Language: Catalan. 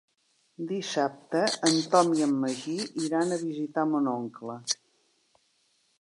Dissabte en Tom i en Magí iran a visitar mon oncle.